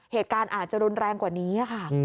เหตุการณ์อาจจะรุนแรงกว่านี้ค่ะ